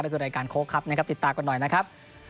นั่นก็คือรายการโค๊กครับติดตามกันหน่อยนะครับ